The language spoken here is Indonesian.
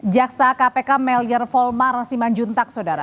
jaksa kpk melir volmar siman juntak saudara